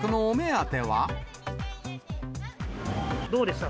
どうでした？